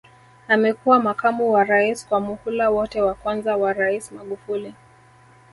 Amekuwa makamu wa Rais kwa muhula wote wa kwanza wa Rais Magufuli